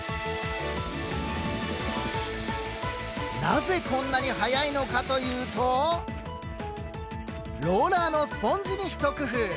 なぜこんなに速いのかというとローラーのスポンジに一工夫。